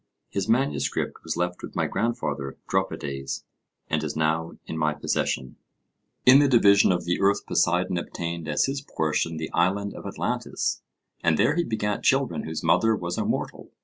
His manuscript was left with my grandfather Dropides, and is now in my possession...In the division of the earth Poseidon obtained as his portion the island of Atlantis, and there he begat children whose mother was a mortal.